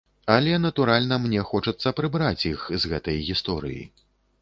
Але, натуральна, мне хочацца прыбраць іх з гэтай гісторыі.